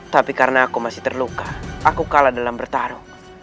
tapi karena aku masih terluka aku kalah dalam bertarung